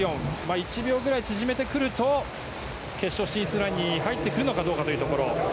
１秒ぐらい縮めてくると決勝進出ラインに入ってくるのかどうかというところ。